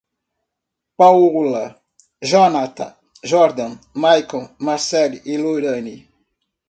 Paola, Jónata, Jordan, Maicon, Marceli e Loraine